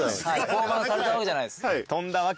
降板されたわけじゃないです。